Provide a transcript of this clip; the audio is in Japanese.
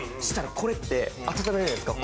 これって温めるじゃないですか。